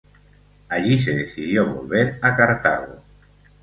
Allí se decidió volver a Cartago.